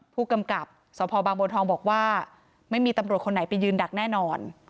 ผู้กำกับสพบางบัวทองบอกว่าไม่มีตำรวจคนไหนไปยืนดักแน่นอน